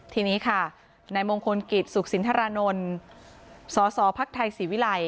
ทีนี้ค่ะนายมงคลกิจสุขสินทรานนท์สสพักไทยศรีวิลัย